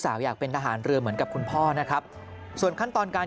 อยากเป็นทหารเรือเหมือนกับคุณพ่อนะครับส่วนขั้นตอนการ